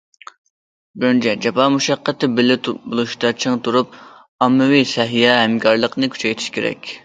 بىرىنچى، جاپا- مۇشەققەتتە بىللە بولۇشتا چىڭ تۇرۇپ، ئاممىۋى سەھىيە ھەمكارلىقىنى كۈچەيتىش كېرەك.